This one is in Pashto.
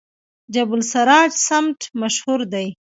جبل السراج سمنټ مشهور دي؟